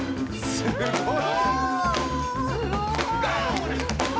すごーい！